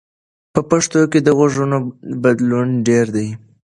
په پښتو کې د غږونو بدلون ډېر دی.